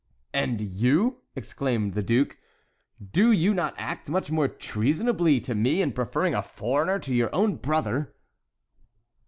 "And you!" exclaimed the duke, "do you not act much more treasonably to me in preferring a foreigner to your own brother?"